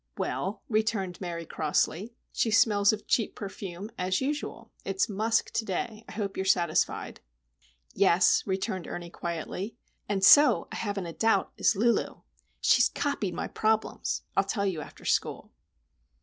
"Well," returned Mary, crossly; "she smells of cheap perfume, as usual. It's musk to day. I hope you're satisfied." "Yes," returned Ernie, quietly. "And so, I haven't a doubt, is Lulu. She has copied my problems! I'll tell you after school."